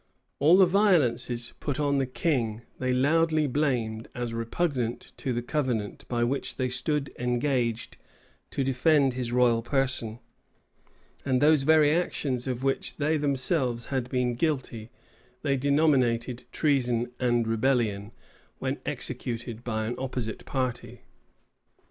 All the violences put on the king, they loudly blamed, as repugnant to the covenant by which they stood engaged to defend his royal person. And those very actions of which they themselves had been guilty, they denominated treason and rebellion, when executed by an opposite party.